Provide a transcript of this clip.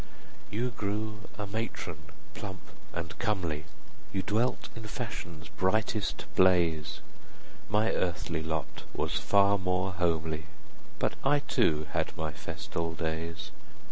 You grew a matron plump and comely, You dwelt in fashion's brightest blaze; My earthly lot was far more homely; 35 But I too had my festal days.